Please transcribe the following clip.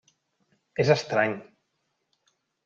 És estrany.